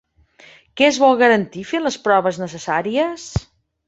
Què es vol garantir fent les proves necessàries?